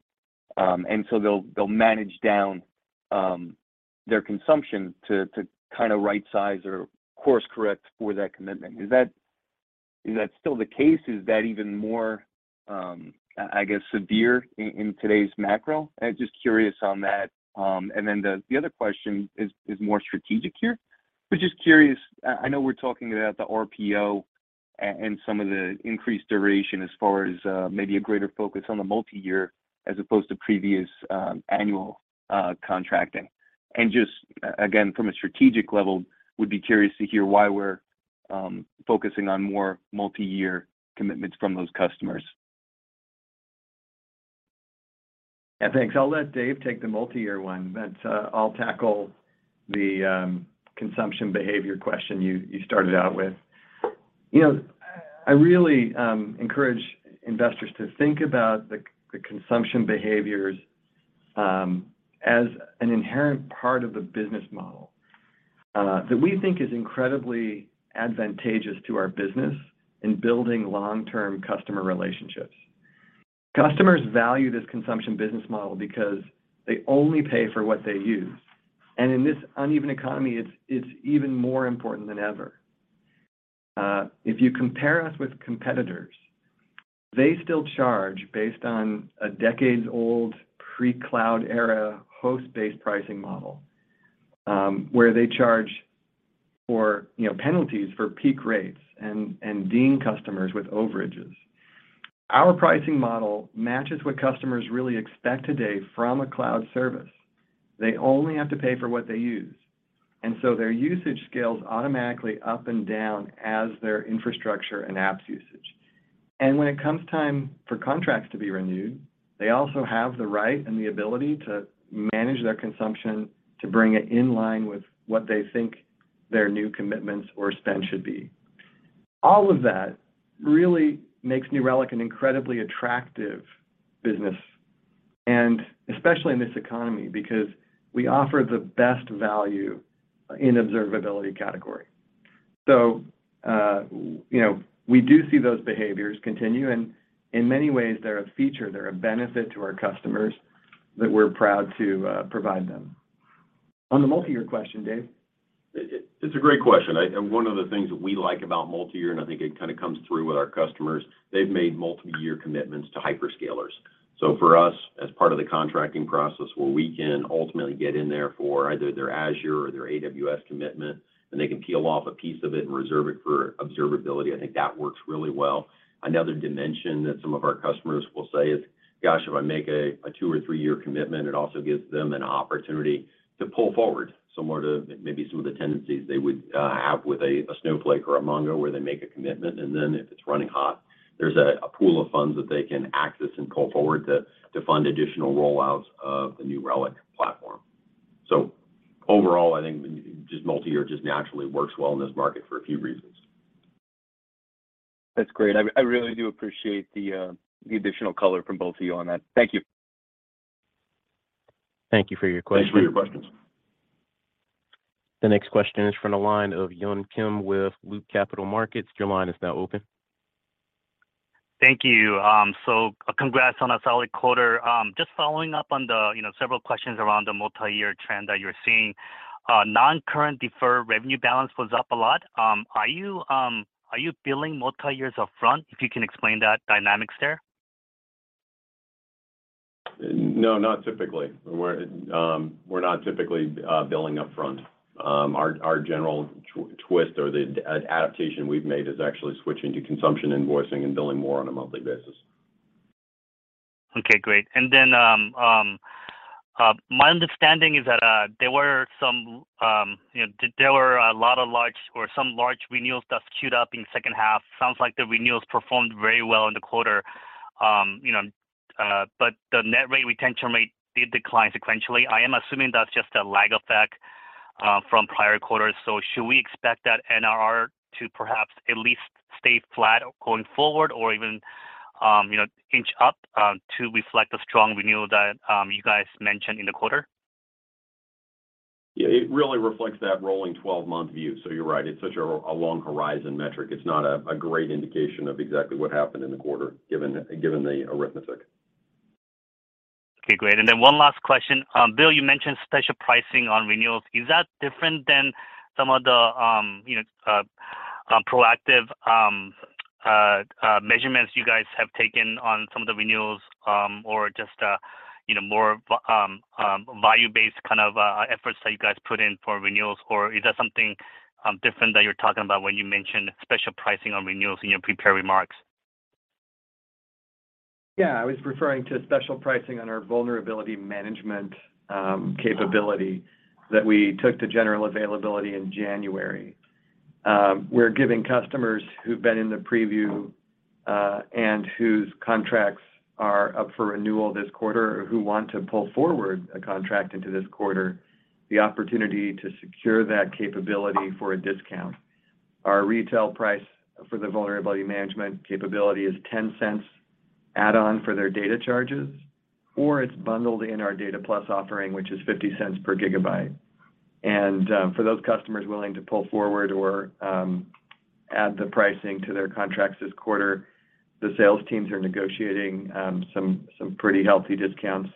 They'll manage down their consumption to kinda right-size or course-correct for that commitment. Is that still the case? Is that even more, I guess, severe in today's macro? I'm just curious on that. The other question is more strategic here. Just curious, I know we're talking about the RPO and some of the increased duration as far as maybe a greater focus on the multi-year as opposed to previous annual contracting. Just, again, from a strategic level, would be curious to hear why we're focusing on more multi-year commitments from those customers. Yeah, thanks. I'll let Dave take the multi-year one, but I'll tackle the consumption behavior question you started out with. You know, I really encourage investors to think about the consumption behaviors as an inherent part of the business model that we think is incredibly advantageous to our business in building long-term customer relationships. Customers value this consumption business model because they only pay for what they use. In this uneven economy, it's even more important than ever. If you compare us with competitors, they still charge based on a decades-old pre-cloud era host-based pricing model, where they charge for, you know, penalties for peak rates and ding customers with overages. Our pricing model matches what customers really expect today from a cloud service. They only have to pay for what they use, and so their usage scales automatically up and down as their infrastructure and apps usage. When it comes time for contracts to be renewed, they also have the right and the ability to manage their consumption to bring it in line with what they think their new commitments or spend should be. All of that really makes New Relic an incredibly attractive business, and especially in this economy, because we offer the best value in observability category. you know, we do see those behaviors continue, and in many ways, they're a feature, they're a benefit to our customers that we're proud to provide them. On the multi-year question, Dave. It's a great question. One of the things that we like about multi-year, and I think it kinda comes through with our customers, they've made multi-year commitments to hyperscalers. For us, as part of the contracting process where we can ultimately get in there for either their Azure or their AWS commitment, and they can peel off a piece of it and reserve it for observability, I think that works really well. Another dimension that some of our customers will say is, "Gosh, if I make a two- or three-year commitment," it also gives them an opportunity to pull forward similar to maybe some of the tendencies they would have with a Snowflake or a MongoDB where they make a commitment, and then if it's running hot, there's a pool of funds that they can access and pull forward to fund additional rollouts of the New Relic platform. Overall, I think just multi-year just naturally works well in this market for a few reasons. That's great. I really do appreciate the additional color from both of you on that. Thank you. Thank you for your question. Thanks for your questions. The next question is from the line of Yun Kim with Loop Capital Markets. Your line is now open. Thank you. Congrats on a solid quarter. Just following up on the, you know, several questions around the multi-year trend that you're seeing. Non-current deferred revenue balance was up a lot. Are you, are you billing multi-years up front? If you can explain that dynamics there? Not typically. We're not typically billing upfront. Our general twist or the adaptation we've made is actually switching to consumption invoicing and billing more on a monthly basis. Okay, great. Then, my understanding is that, there were some, you know, there were a lot of large or some large renewals that queued up in second half. Sounds like the renewals performed very well in the quarter. You know, but the net rate retention rate did decline sequentially. I am assuming that's just a lag effect from prior quarters. Should we expect that NRR to perhaps at least stay flat going forward or even, you know, inch up to reflect the strong renewal that you guys mentioned in the quarter? Yeah, it really reflects that rolling 12-month view. You're right, it's such a long horizon metric. It's not a great indication of exactly what happened in the quarter, given the arithmetic. Okay, great. One last question. Bill, you mentioned special pricing on renewals. Is that different than some of the, you know, proactive measurements you guys have taken on some of the renewals, or just a, you know, more value-based kind of efforts that you guys put in for renewals? Is that something different that you're talking about when you mention special pricing on renewals in your prepared remarks? Yeah. I was referring to special pricing on our Vulnerability Management capability that we took to general availability in January. We're giving customers who've been in the preview and whose contracts are up for renewal this quarter or who want to pull forward a contract into this quarter, the opportunity to secure that capability for a discount. Our retail price for the Vulnerability Management capability is $0.10 add-on for their data charges, or it's bundled in our Data Plus offering, which is $0.50 per gigabyte. For those customers willing to pull forward or add the pricing to their contracts this quarter, the sales teams are negotiating some pretty healthy discounts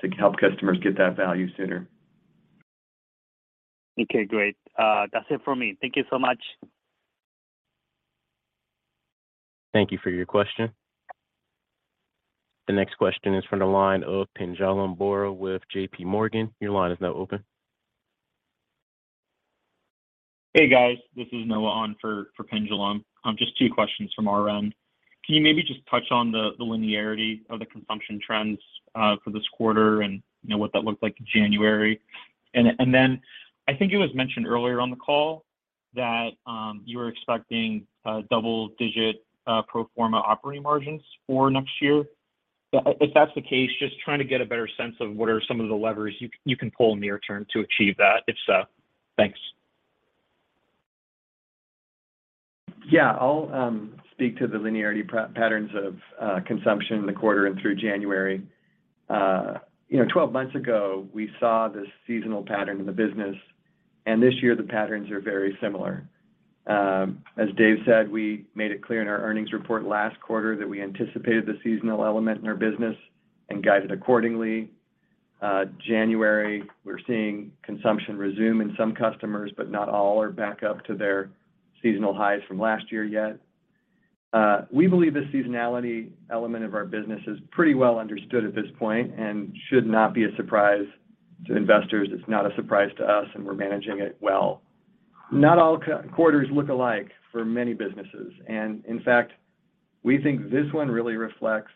to help customers get that value sooner. Okay, great. That's it for me. Thank you so much. Thank you for your question. The next question is from the line of Pinjalim Bora with J.P. Morgan. Your line is now open. Hey, guys. This is Noah on for Pinjalim. Just two questions from our end. Can you maybe just touch on the linearity of the consumption trends for this quarter and, you know, what that looked like in January? I think it was mentioned earlier on the call that you were expecting double-digit pro forma operating margins for next year. If that's the case, just trying to get a better sense of what are some of the levers you can pull near term to achieve that if so. Thanks. I'll speak to the linearity patterns of consumption in the quarter and through January. You know, 12 months ago, we saw this seasonal pattern in the business. This year the patterns are very similar. As Dave said, we made it clear in our earnings report last quarter that we anticipated the seasonal element in our business and guided accordingly. January, we're seeing consumption resume in some customers. Not all are back up to their seasonal highs from last year yet. We believe the seasonality element of our business is pretty well understood at this point and should not be a surprise to investors. It's not a surprise to us, and we're managing it well. Not all quarters look alike for many businesses, and in fact, we think this one really reflects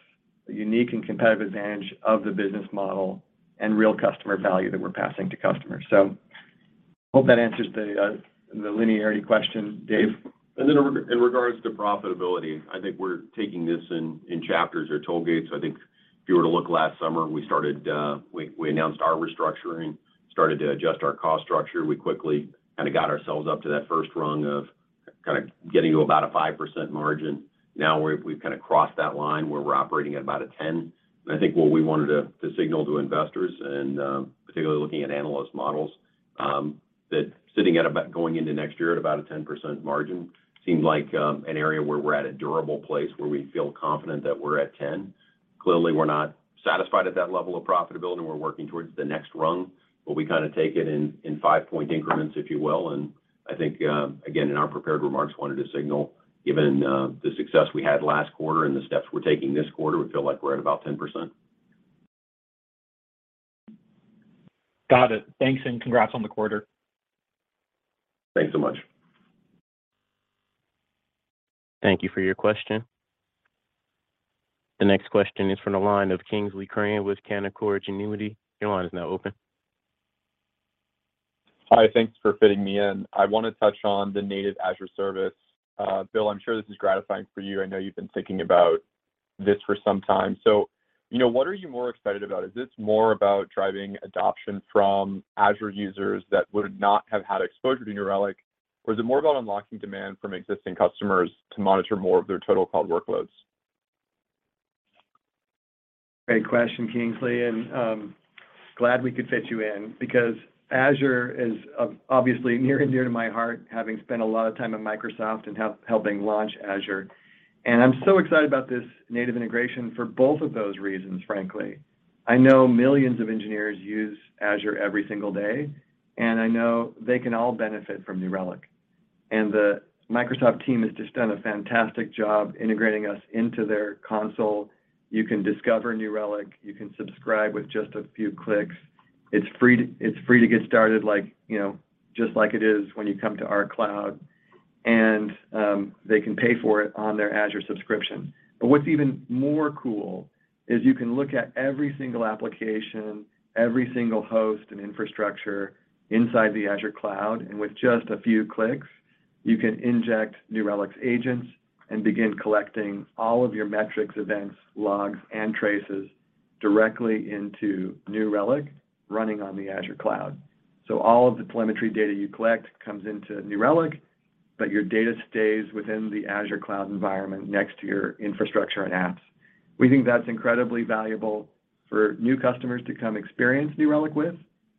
the unique and competitive advantage of the business model and real customer value that we're passing to customers. Hope that answers the linearity question. Dave? In regards to profitability, I think we're taking this in chapters or toll gates. I think if you were to look last summer, we started, we announced our restructuring, started to adjust our cost structure. We quickly kinda got ourselves up to that first rung of kind of getting to about a 5% margin. Now we've kind of crossed that line where we're operating at about 10%. I think what we wanted to signal to investors and, particularly looking at analyst models, that sitting at about going into next year at about a 10% margin seemed like an area where we're at a durable place where we feel confident that we're at 10%. Clearly, we're not satisfied at that level of profitability, and we're working towards the next rung. We kind of take it in 5-point increments, if you will. I think, again, in our prepared remarks, wanted to signal, given, the success we had last quarter and the steps we're taking this quarter, we feel like we're at about 10%. Got it. Thanks, and congrats on the quarter. Thanks so much. Thank you for your question. The next question is from the line of Kingsley Crane with Canaccord Genuity. Your line is now open. Hi. Thanks for fitting me in. I wanna touch on the native Azure service. Bill, I'm sure this is gratifying for you. I know you've been thinking about this for some time. You know, what are you more excited about? Is this more about driving adoption from Azure users that would not have had exposure to New Relic, or is it more about unlocking demand from existing customers to monitor more of their total cloud workloads? Great question, Kingsley, and glad we could fit you in because Azure is obviously near and dear to my heart, having spent a lot of time at Microsoft and helping launch Azure. I'm so excited about this native integration for both of those reasons, frankly. I know millions of engineers use Azure every single day, and I know they can all benefit from New Relic. The Microsoft team has just done a fantastic job integrating us into their console. You can discover New Relic, you can subscribe with just a few clicks. It's free, it's free to get started, like, you know, just like it is when you come to our cloud, and they can pay for it on their Azure subscription. What's even more cool is you can look at every single application, every single host and infrastructure inside the Azure cloud, and with just a few clicks, you can inject New Relic's agents and begin collecting all of your metrics, events, logs, and traces directly into New Relic running on the Azure cloud. All of the telemetry data you collect comes into New Relic, but your data stays within the Azure cloud environment next to your infrastructure and apps. We think that's incredibly valuable for new customers to come experience New Relic with,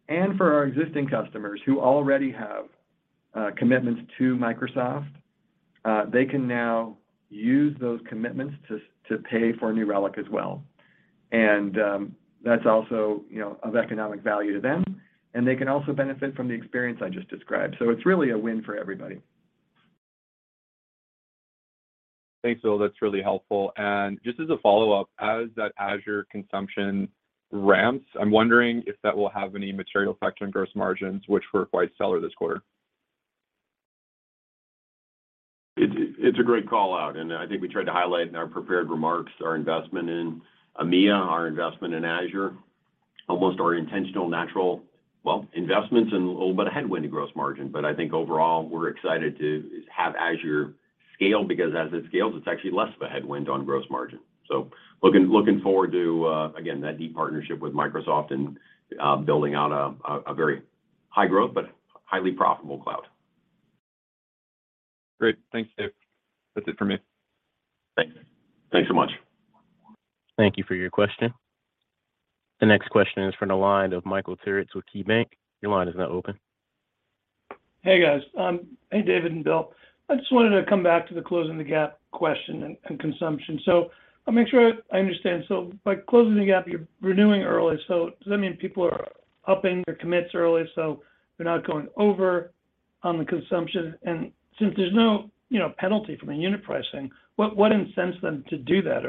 and for our existing customers who already have commitments to Microsoft, they can now use those commitments to pay for New Relic as well. That's also, you know, of economic value to them, and they can also benefit from the experience I just described. It's really a win for everybody. Thanks, Bill. That's really helpful. Just as a follow-up, as that Azure consumption ramps, I'm wondering if that will have any material effect on gross margins, which were quite stellar this quarter? It's a great call-out. I think we tried to highlight in our prepared remarks our investment in EMEA, our investment in Azure, almost our intentional natural, well, investments and a little bit of headwind to gross margin. I think overall, we're excited to have Azure scale because as it scales, it's actually less of a headwind on gross margin. Looking forward to again, that deep partnership with Microsoft and building out a very high-growth but highly profitable cloud. Great. Thanks, Dave. That's it for me. Thanks. Thanks so much. Thank you for your question. The next question is from the line of Michael Turits with KeyBanc. Your line is now open. Hey, guys. Hey, David and Bill. I just wanted to come back to the closing the gap question and consumption. I'll make sure I understand. By closing the gap, you're renewing early. Does that mean people are upping their commits early, so they're not going over on the consumption? Since there's no, you know, penalty from a unit pricing, what incents them to do that?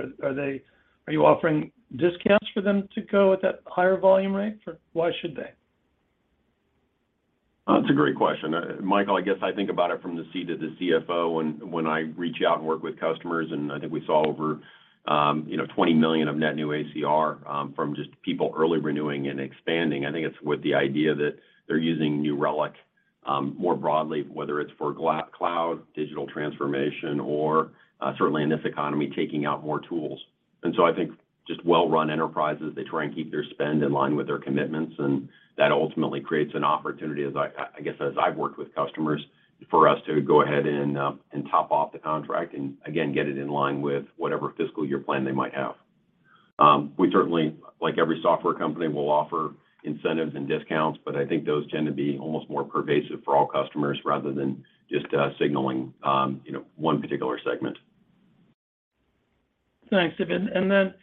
Are you offering discounts for them to go at that higher volume rate, or why should they? That's a great question. Michael, I guess I think about it from the seat of the CFO when I reach out and work with customers, and I think we saw over, you know, $20 million of net new ACR from just people early renewing and expanding. I think it's with the idea that they're using New Relic more broadly, whether it's for cloud, digital transformation, or certainly in this economy, taking out more tools. I think just well-run enterprises, they try and keep their spend in line with their commitments, and that ultimately creates an opportunity as I guess, as I've worked with customers for us to go ahead and top off the contract and again, get it in line with whatever fiscal year plan they might have. We certainly, like every software company, will offer incentives and discounts, but I think those tend to be almost more pervasive for all customers rather than just signaling, you know, one particular segment. Thanks, David. Then,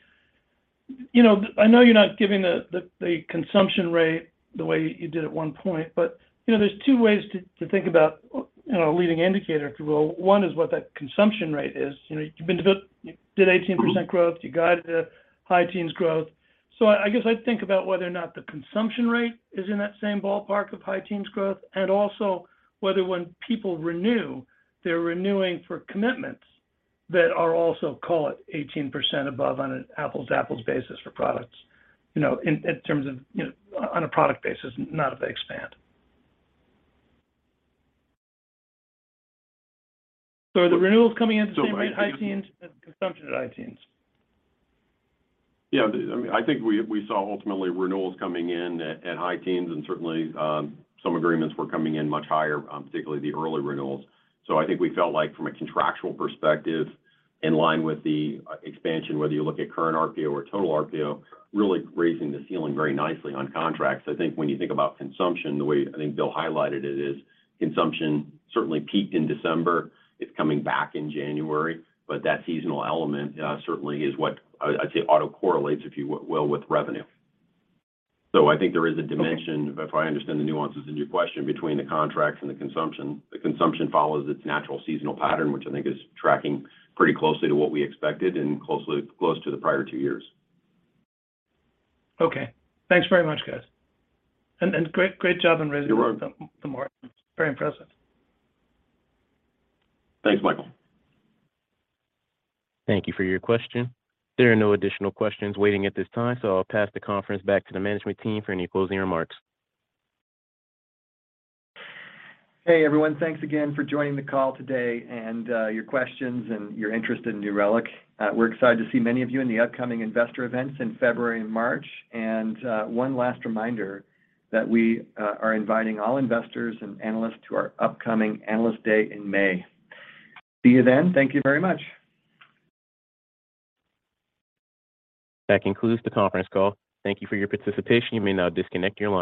you know, I know you're not giving the, the consumption rate the way you did at one point, but, you know, there's two ways to think about, you know, a leading indicator, if you will. One is what that consumption rate is. You did 18% growth. You guided a high teens growth. I guess I'd think about whether or not the consumption rate is in that same ballpark of high teens growth and also whether when people renew, they're renewing for commitments that are also, call it 18% above on an apples-to-apples basis for products, you know, in terms of, you know, on a product basis, not if they expand. Are the renewals coming in at the same rate, high teens, consumption at high teens? Yeah. I mean, I think we saw ultimately renewals coming in at high teens, and certainly, some agreements were coming in much higher, particularly the early renewals. I think we felt like from a contractual perspective, in line with the expansion, whether you look at current RPO or total RPO, really raising the ceiling very nicely on contracts. I think when you think about consumption, the way I think Bill highlighted it is consumption certainly peaked in December. It's coming back in January, but that seasonal element certainly is what I'd say auto correlates, if you will, with revenue. I think there is a dimension, if I understand the nuances in your question, between the contracts and the consumption. The consumption follows its natural seasonal pattern, which I think is tracking pretty closely to what we expected and closely to the prior two years. Okay. Thanks very much, guys. Great job on raising- You're welcome. the more. Very impressive. Thanks, Michael. Thank you for your question. There are no additional questions waiting at this time, so I'll pass the conference back to the management team for any closing remarks. Hey, everyone. Thanks again for joining the call today and your questions and your interest in New Relic. We're excited to see many of you in the upcoming investor events in February and March. One last reminder that we are inviting all investors and analysts to our upcoming Analyst Day in May. See you then. Thank you very much. That concludes the conference call. Thank you for your participation. You may now disconnect your line.